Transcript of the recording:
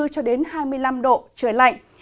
cho đến hai mươi năm độ trời lạnh